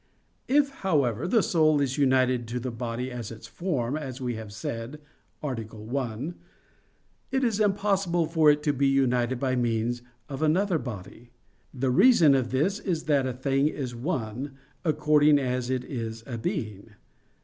If, however, the soul is united to the body as its form, as we have said (A. 1), it is impossible for it to be united by means of another body. The reason of this is that a thing is one, according as it is a being.